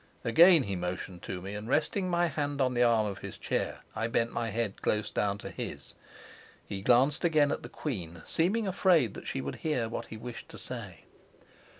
Again he motioned to me, and, resting my hand on the arm of his chair, I bent my head close down to his. He glanced again at the queen, seeming afraid that she would hear what he wished to say.